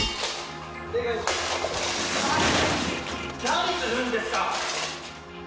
何するんですか！